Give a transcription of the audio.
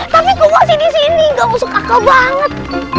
tapi kok masih disini gak masuk akal banget